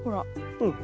うん。